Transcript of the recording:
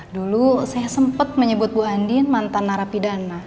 dulu saya sempet menyebut bu andien mantan narapidana